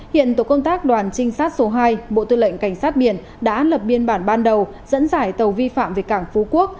hiện tổ công tác đoàn trinh sát số hai bộ tư lệnh cảnh sát biển đã lập biên bản ban đầu dẫn giải tàu vi phạm về cảng phú quốc